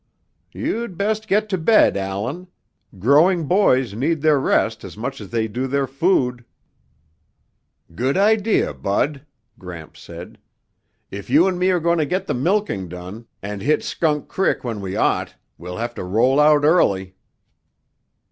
"You'd best get to bed, Allan. Growing boys need their rest as much as they do their food." "Good idea, Bud," Gramps said. "If you and me are going to get the milking done and hit Skunk Crick when we ought, we'll have to roll out early."